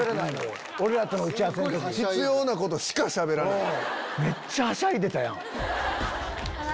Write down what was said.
必要なことしか喋らない。